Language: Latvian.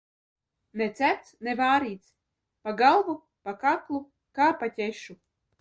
Ne cepts, ne vārīts; pa galvu, pa kaklu; kā pa ķešu.